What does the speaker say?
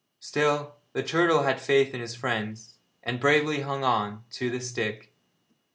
Still, the turtle had faith in his friends, and bravely hung on to the stick.